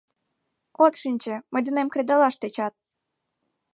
— От шинче — мый денем кредалаш тӧчат!